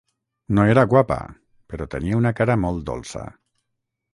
No era guapa, però tenia una cara molt dolça.